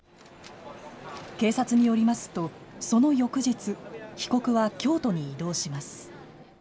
警察によりますと、その翌日、被告は京都に移動します。